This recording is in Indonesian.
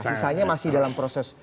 sisanya masih dalam proses